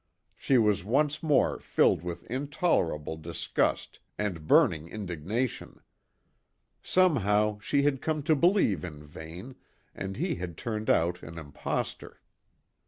She was once more filled with intolerable disgust and burning indignation. Somehow she had come to believe in Vane, and he had turned out an impostor.